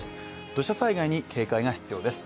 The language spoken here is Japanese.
土砂災害に警戒が必要です。